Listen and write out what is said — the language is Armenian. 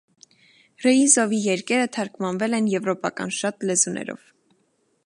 Ռեիզովի երկերը թարգմանվել են եվրոպական շատ լեզուներով։